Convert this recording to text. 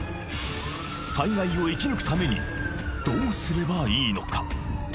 災害を生き抜くためにどうすればいいのか？